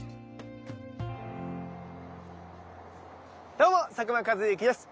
どうも佐久間一行です。